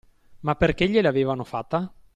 Ma perché gliel'avevano fatta?